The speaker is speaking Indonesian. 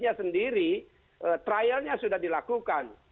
lima g nya sendiri trialnya sudah diperlukan